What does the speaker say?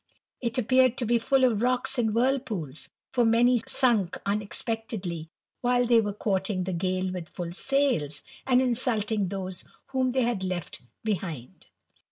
■t appeared to be full of rocks and whirlpools, for many '•ink unexpectedly while they were courting the gale *ilh full sails, and insulting those whom they had left *ohind.